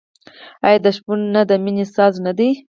آیا د شپون نی د مینې ساز نه دی؟